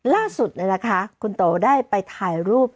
ล่าสุดคุณโตได้ไปถ่ายรูป